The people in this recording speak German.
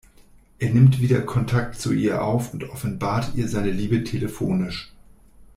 Er nimmt wieder Kontakt zu ihr auf und offenbart ihr seine Liebe telefonisch.